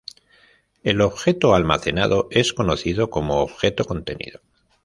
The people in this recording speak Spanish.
El objeto almacenado es conocido como "objeto contenido".